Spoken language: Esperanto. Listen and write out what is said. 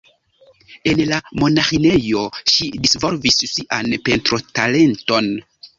En la monaĥinejo ŝi disvolvis sian pentrotalenton.